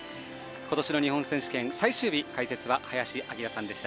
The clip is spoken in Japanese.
今年の日本選手権、最終日解説は林享さんでした。